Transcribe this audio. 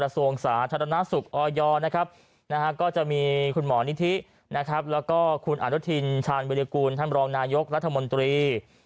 ธนสุขอยนะครับก็จะมีคุณหมอนิธิแล้วก็คุณอันทุธินชาญบิริกูลท่านบรองนายกรัฐมนตรี